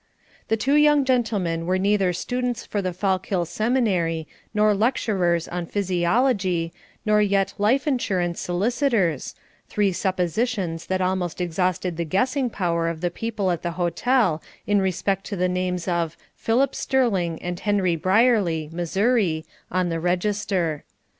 The two young gentlemen were neither students for the Fallkill Seminary, nor lecturers on physiology, nor yet life assurance solicitors, three suppositions that almost exhausted the guessing power of the people at the hotel in respect to the names of "Philip Sterling and Henry Brierly, Missouri," on the register.